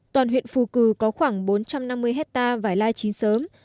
toàn huyện phù cử có khoảng bốn trăm năm mươi hectare vải lai chín sớm